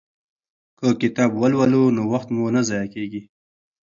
که کتاب ولولو نو وخت مو نه ضایع کیږي.